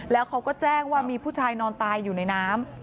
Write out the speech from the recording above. แล้วเขาก็แจ้งว่ามีผู้ชายนอนตายอยู่ในน้ำ